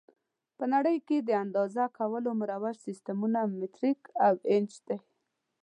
په نړۍ کې د اندازه کولو مروج سیسټمونه مټریک او ایچ دي.